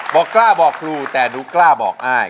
บอกกล้าบอกครูแต่หนูกล้าบอกอ้าย